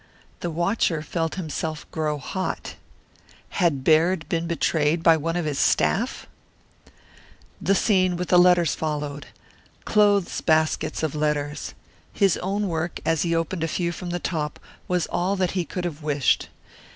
The watcher felt himself grow hot. Had Baird been betrayed by one of his staff? The scene with the letters followed. Clothes baskets of letters. His own work, as he opened a few from the top, was all that he could have wished.